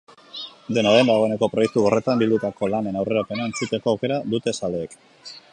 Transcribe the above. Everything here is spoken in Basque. Dena den, dagoeneko proiektu horretan bildutako lanen aurrerapena entzuteko aukera dute zaleek.